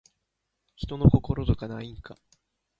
人の心とかないんか